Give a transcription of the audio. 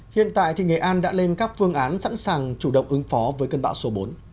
hiện tại thì nghệ an đã lên các phương án sẵn sàng chủ động ứng phó với cơn bão số bốn